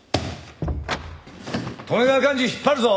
利根川寛二引っ張るぞ！